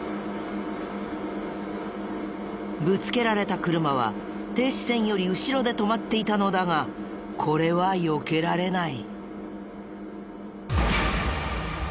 ぶつけられた車は停止線より後ろで止まっていたのだがこれはよけられない。